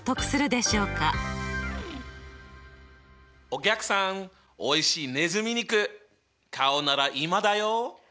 お客さんおいしいねずみ肉買うなら今だよ。